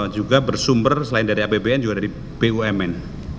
juga bersumber selain dari apbn juga dari bumn